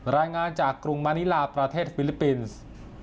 รายงานจากกรุงมานิลาประเทศฟิลิปปินส์